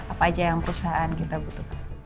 apa aja yang perusahaan kita butuhkan